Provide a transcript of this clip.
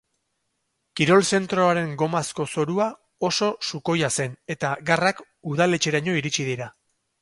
Kirol zentroaren gomazko zorua oso sukoia zen, eta garrak udaletxeraino iritsi dira.